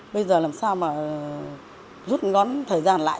bây giờ làm sao mà rút ngắn thời gian lại